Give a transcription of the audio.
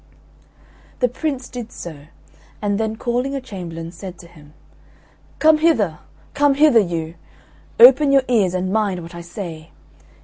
'" The Prince did so, and then calling a chamberlain, said to him, "Come hither, come hither, you! Open your ears and mind what I say.